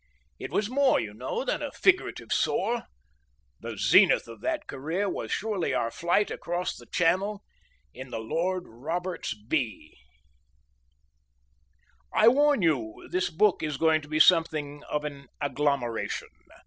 It was more, you know, than a figurative soar. The zenith of that career was surely our flight across the channel in the Lord Roberts B.... I warn you this book is going to be something of an agglomeration.